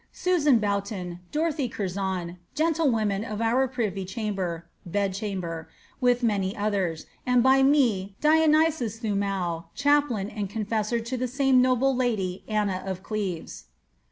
Susan Boughton, Dorothy Curzon, jantlewomen of our privy chamber (bed ihunber), with many others; and by me, Dionysius Thomow,^ chaplain and m/rsjor to the same most noble lady Anna of Cieves."